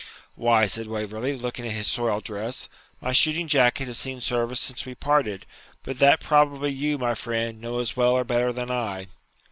'Why,' said Waverley, looking at his soiled dress,'my shooting jacket has seen service since we parted; but that probably you, my friend, know as well or better than I.'